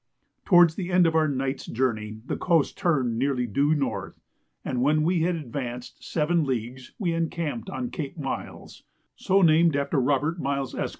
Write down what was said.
Towards the end of our night's journey the coast turned nearly due north, and when we had advanced seven leagues we encamped on Cape Miles, so named after Robert Miles, Esq.